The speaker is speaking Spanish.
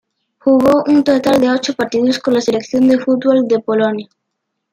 Jugó un total de ocho partidos con la selección de fútbol de Polonia.